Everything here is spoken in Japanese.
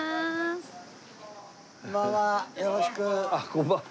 こんばんは。